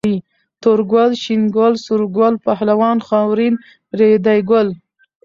تور ګل، شين ګل، سور ګل، پهلوان، خاورين، ريدي ګل